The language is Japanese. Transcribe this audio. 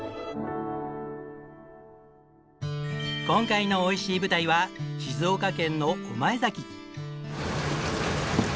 今回のおいしい舞台は静岡県の御前崎。